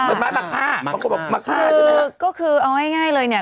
เป็นไม้มะค่ามะค่าใช่ไหมครับก็คือเอาง่ายเลยเนี่ย